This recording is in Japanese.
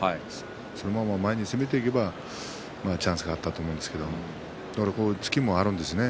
そのまま前に攻めていけばチャンスがあったと思ったけどこういう突きもあるんですね。